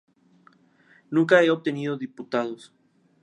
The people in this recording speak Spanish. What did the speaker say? Nunca ha obtenido diputados.